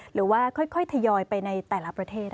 หรือว่าค่อยทยอยไปในแต่ละประเทศ